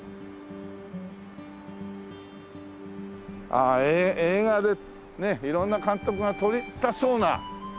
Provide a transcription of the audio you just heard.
ああ映画でね色んな監督が撮りたそうな雰囲気ですよね。